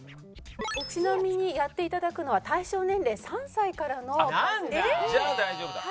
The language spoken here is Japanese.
ちなみにやって頂くのは対象年齢３歳からの。なんだ！